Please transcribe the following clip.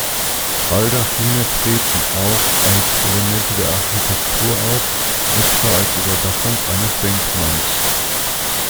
Baldachine treten auch als Elemente der Architektur auf, etwa als Überdachung eines Denkmals.